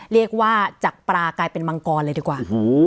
เรียกว่าจากปลากลายเป็นมังกรเลยดีกว่า